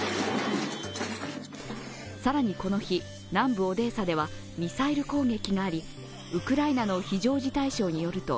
更にこの日、南部オデーサではミサイル攻撃がありウクライナの非常事態省によると、